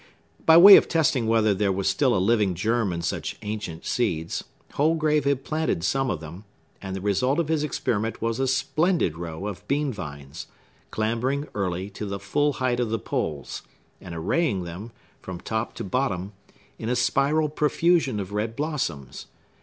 By way of testing whether there were still a living germ in such ancient seeds, Holgrave had planted some of them; and the result of his experiment was a splendid row of bean vines, clambering, early, to the full height of the poles, and arraying them, from top to bottom, in a spiral profusion of red blossoms.